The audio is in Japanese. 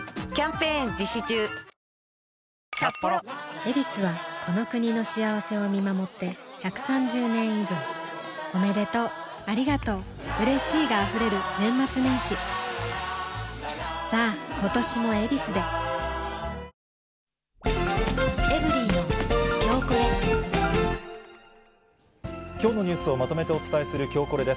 「ヱビス」はこの国の幸せを見守って１３０年以上おめでとうありがとううれしいが溢れる年末年始さあ今年も「ヱビス」できょうのニュースをまとめてお伝えするきょうコレです。